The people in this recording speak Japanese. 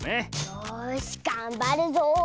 よしがんばるぞ！